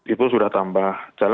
itu sudah tambah